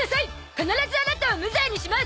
必ずアナタを無罪にします！